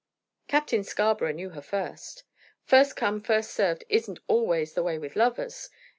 "Captain Scarborough knew her first." "First come first served isn't always the way with lovers.